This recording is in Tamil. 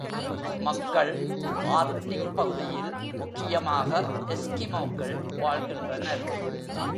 மக்கள் ஆர்க்டிக் பகுதியில் முக்கியமாக எஸ்கிமோக்கள் வாழ்கின்றனர்.